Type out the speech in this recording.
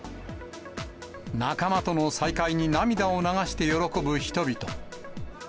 仲間との再会に涙を流して喜ぶ人々。